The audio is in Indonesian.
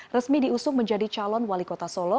resmi diusung menjadi calon wali kota solo